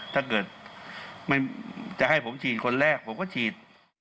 ถ้าเกิดจะให้ผมฉีดคนแรกผมก็ฉีด